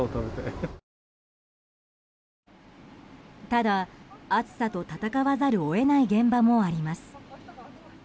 ただ、暑さと戦わざるを得ない現場もあります。